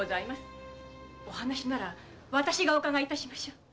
お話なら私がお伺いしましょう。